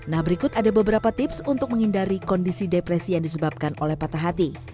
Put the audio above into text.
nah berikut ada beberapa tips untuk menghindari kondisi depresi yang disebabkan oleh patah hati